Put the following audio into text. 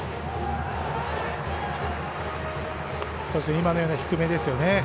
今のような低めですよね。